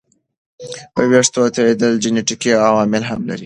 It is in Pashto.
ویښتو توېیدل جنیټیکي عوامل هم لري.